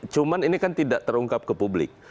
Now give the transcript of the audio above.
cuma ini kan tidak terungkap ke publik